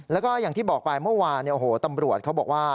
แล้วก็อย่างที่บอกไปเมื่อวานตำรวจเขาบอกว่า